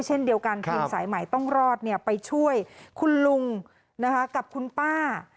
เช่นเดียวกันทีมสายใหม่ต้องรอดไปช่วยคุณลุงกับคุณป้า